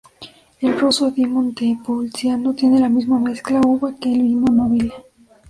El Rosso di Montepulciano tiene la misma mezcla uva que el Vino Nobile.